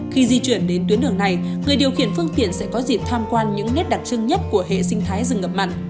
khi di chuyển đến tuyến đường này người điều khiển phương tiện sẽ có dịp tham quan những nét đặc trưng nhất của hệ sinh thái rừng ngập mặn